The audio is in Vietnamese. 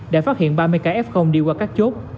đã phát hiện ba mươi cái f đi qua các chốt